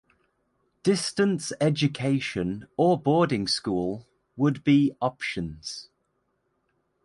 Distance education or boarding school would be options.